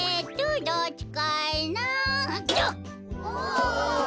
お。